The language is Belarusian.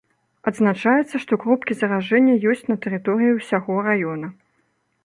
Адзначаецца, што кропкі заражэння ёсць на тэрыторыі ўсяго раёна.